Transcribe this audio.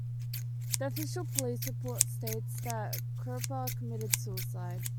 The official police report states that Kirpa committed suicide.